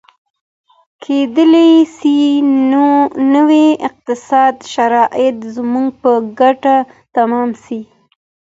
کیدای سي نوي اقتصادي شرایط زموږ په ګټه تمام سي.